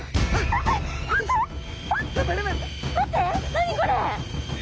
何これ？